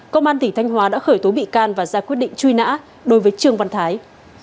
công an tỉnh thanh hóa đã khởi tố bị can và ra quyết định truy nã đối với trương văn thái